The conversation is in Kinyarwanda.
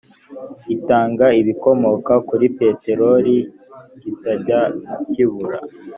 itanga ibikomoka kuri peteroli kitajya kibura